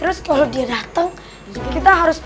terus kalo dia dateng kita harus